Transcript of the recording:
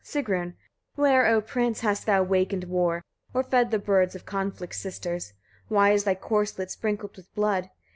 Sigrun. 6. Where, O prince! hast thou wakened war, or fed the birds of conflict's sisters? Why is thy corslet sprinkled with blood?